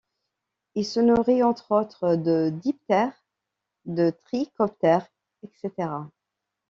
Il se nourrit entre autres de diptères, de trichoptères etc.